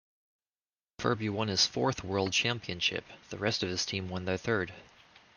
Ferbey won his fourth world championship, the rest of his team won their third.